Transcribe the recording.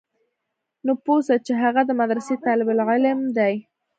نو پوه سه چې هغه د مدرسې طالب العلم دى.